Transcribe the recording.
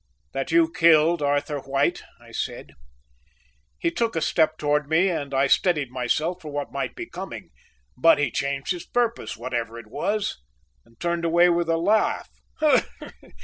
"That you killed Arthur White," I said. He took a step towards me and I steadied myself for what might be coming, but he changed his purpose, whatever it was, and turned away with a laugh.